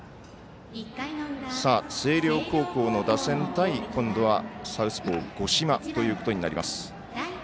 星稜高校の打線対今度はサウスポー五島ということになります。